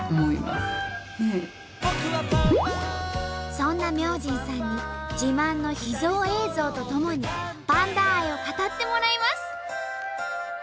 そんな明神さんに自慢の秘蔵映像とともにパンダ愛を語ってもらいます。